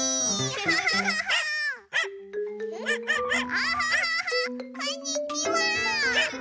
キャハハハこんにちは！